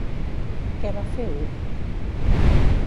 Què va fer Ur?